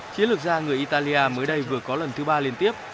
chí lực gia người italia mới đây vừa có lần thứ ba liên tiếp